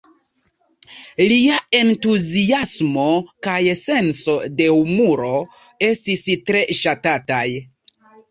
Lia entuziasmo kaj senso de humuro estis tre ŝatataj.